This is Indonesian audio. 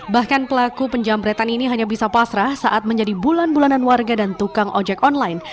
bahkan pelaku penjamretan ini hanya bisa pasrah saat menjadi bulan bulanan warga dan tukang ojek online